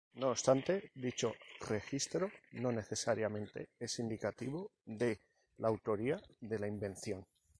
No obstante, dicho registro no necesariamente es indicativo de la autoría de la invención.